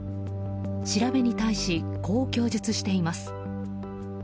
調べに対し、こう供述しています。